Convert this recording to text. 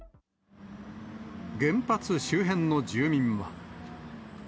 原発周辺の住民は。